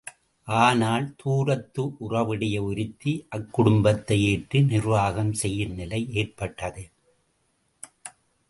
ஆனால், தூரத்து உறவுடைய ஒருத்தி அக்குடும்பத்தை ஏற்று நிர்வாகம் செய்யும் நிலை ஏற்பட்டது.